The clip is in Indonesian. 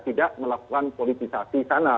tidak melakukan politisasi sana